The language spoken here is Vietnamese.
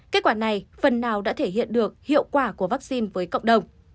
kết quả này phần nào đã thể hiện được hiệu quả của vaccine với cộng đồng